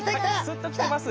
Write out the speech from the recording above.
すっと来てます。